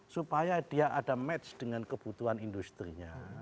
supaya dia ada match dengan kebutuhan industri nya